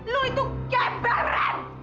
lu itu gembel ren